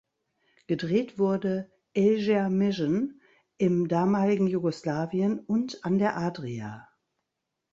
Gedreht wurde "Asia Mission" im damaligen Jugoslawien und an der Adria.